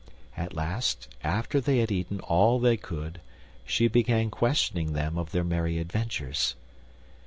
At last, after they had eaten all they could, she began questioning them of their merry adventures.